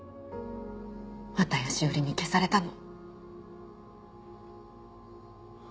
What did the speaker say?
綿谷詩織に消されたの。